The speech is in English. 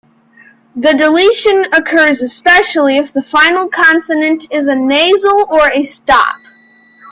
The deletion occurs especially if the final consonant is a nasal or a stop.